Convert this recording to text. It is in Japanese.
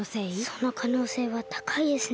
そのかのうせいはたかいですね。